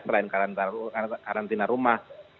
selain karantina rumah